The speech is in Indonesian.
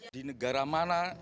di negara mana